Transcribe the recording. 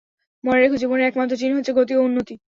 মনে রেখো, জীবনের একমাত্র চিহ্ন হচ্ছে গতি ও উন্নতি।